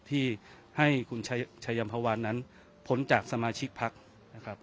ที่ให้คุณชายชายัมพาวานนั้นผลจากสมาชิกพรรคนะครับ